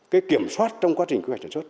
cái kiểm soát trong quá trình